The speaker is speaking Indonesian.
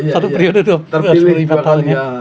satu periode dua puluh lima tahunnya